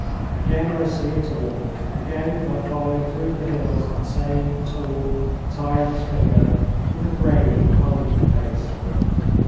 Again I see it all. Again I follow through the hills that same tall, tireless figure with the grave and kindly face.